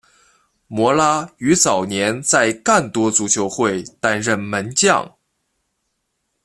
摩拉于早年在干多足球会担任门将。